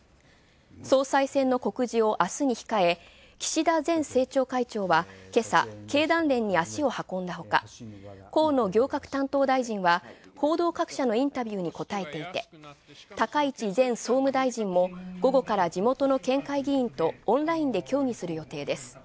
総裁選の告示を明日に控え、岸田前政調会長は、今朝、経団連に足を運んだほか河野行革担当大臣は報道各社のインタビューにこたえていて、高市前総務大臣も午後から地元の県会議員とオンラインで協議する予定です。